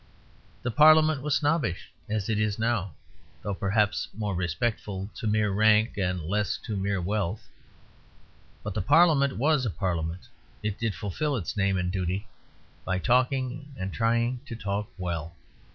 The Parliament was snobbish, as it is now, though perhaps more respectful to mere rank and less to mere wealth. But the Parliament was a Parliament; it did fulfil its name and duty by talking, and trying to talk well.